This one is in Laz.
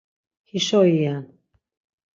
Hişo iyen.